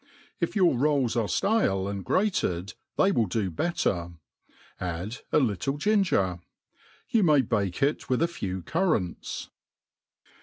If your roils are ftale and graced, they will do better; add % little ginger. You may bake it With a few currants.